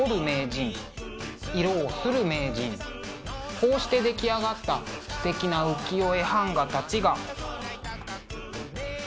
こうして出来上がったすてきな浮世絵版画たちが。